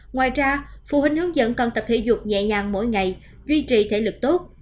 ngoài ra phụ huynh hướng dẫn còn tập thể dục nhẹ nhàng mỗi ngày duy trì thể lực tốt